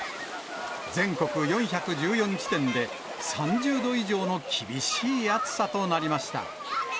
全国４１４地点で３０度以上の厳しい暑さとなりました。